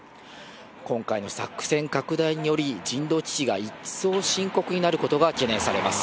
今回の作戦拡大により、人道危機が一層深刻になることが懸念されます。